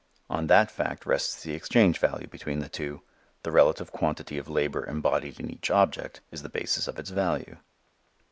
On that fact rests the exchange value between the two. The relative quantity of labor embodied in each object is the basis of its value.